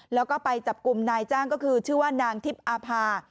แล้วก็ไปจับกลุ่มนายจ้างก็คือชื่อว่านางทิพย์อาภา